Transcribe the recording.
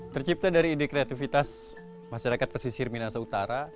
tercipta dari ide kreativitas masyarakat pesisir minas utara